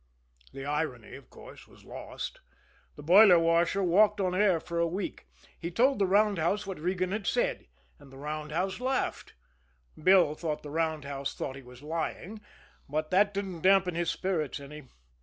The irony, of course, was lost. The boiler washer walked on air for a week. He told the roundhouse what Regan had said and the roundhouse laughed. Bill thought the roundhouse thought he was lying, but that didn't dampen his spirits any.